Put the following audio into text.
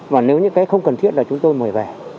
và nếu những cái không cần thiết là chúng tôi mời về